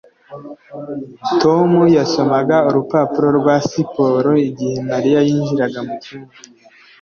tom yasomaga urupapuro rwa siporo igihe mariya yinjiraga mucyumba